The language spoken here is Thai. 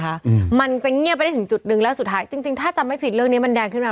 อืมมันจะเงียบไปได้ถึงจุดหนึ่งแล้วสุดท้ายจริงจริงถ้าจำไม่ผิดเรื่องเนี้ยมันแดงขึ้นมา